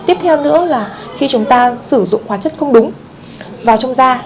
tiếp theo nữa là khi chúng ta sử dụng hóa chất không đúng vào trong da